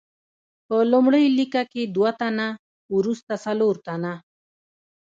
په لومړۍ لیکه کې دوه تنه، وروسته څلور تنه.